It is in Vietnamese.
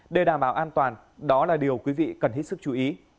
để đảm bảo an toàn đó là điều quý vị cần hết sức chú ý